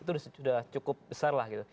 itu sudah cukup besar